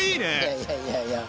いやいやいやいや。